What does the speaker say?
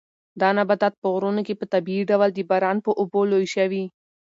دا نباتات په غرونو کې په طبیعي ډول د باران په اوبو لوی شوي.